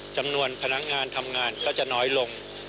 จำนวนพนักงานทำงานก็จะน้อยลง